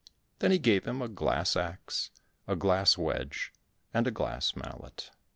Then he gave him a glass axe, a glass wedge, and a glass mallet.